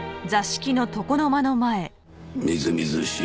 みずみずしい